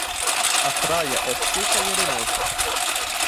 A praia é seca e arenosa.